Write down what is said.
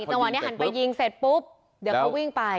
จังหวะนี้หันไปยิงเสร็จปุ๊บเดี๋ยวเขาวิ่งไป